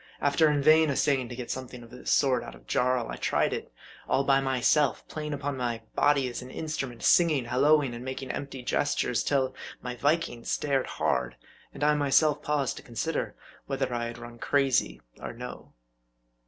After in vain essaying to get something of this sort out of Jarl, I tried it all by myself ; playing upon my body as upon an instrument ; singing, halloing, and making empty gestures, till my Viking stared hard ; and I myself paused to consider whether I had run crazy or no.